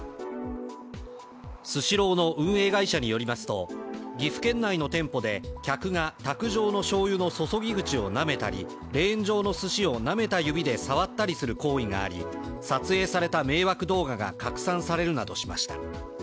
スシローの運営会社によりますと、岐阜県内の店舗で客が卓上のしょうゆの注ぎ口をなめたり、レーン上のすしをなめた指で触ったりする行為があた撮影された迷惑動画が拡散されるなどしました。